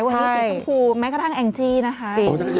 วันนี้สีชมพูแม้กระทั่งแองจี้นะคะ